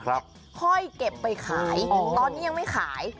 ค่อยเก็บไปขายตอนนี้ยังไม่ขาย